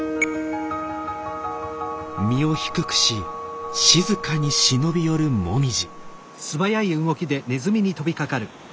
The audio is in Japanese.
身を低くし静かに忍び寄るもみじ。